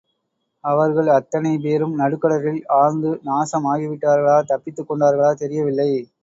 அவர்கள் அத்தனை பேரும் நடுக்கடலில் ஆழ்ந்து நாசம் ஆகிவிட்டார்களா தப்பித்துக் கொண்டார்களா தெரியவில்லை.